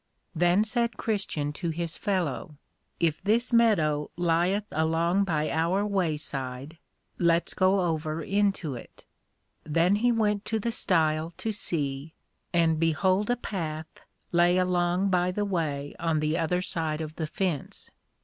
Then said Christian to his fellow, If this Meadow lieth along by our way side, let's go over into it. Then he went to the Stile to see, and behold a Path lay along by the way on the other side of the fence.